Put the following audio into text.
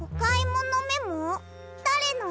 だれの？